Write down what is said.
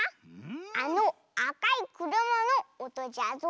あのあかいくるまのおとじゃぞ。